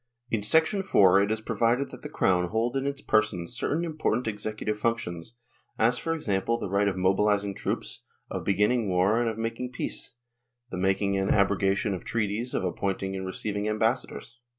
In 4 it is provided that the Crown hold in its person certain important executive functions, as, for example, the right of mobilising troops, of beginning war and of making peace, the making and abrogation of treaties, of appointing and receiving ambassadors.